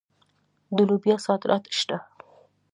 د لوبیا صادرات شته.